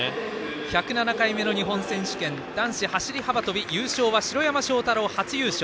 １０７回目の日本選手権男子走り幅跳び優勝は城山正太郎で初優勝。